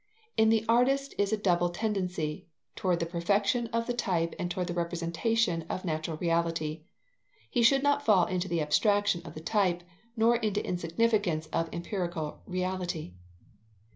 In the artist is a double tendency, toward the perfection of the type and toward the representation of natural reality. He should not fall into the abstraction of the type, nor into the insignificance of empirical reality.